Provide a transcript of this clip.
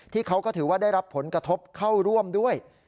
เขาก็ถือว่าได้รับผลกระทบเข้าร่วมด้วย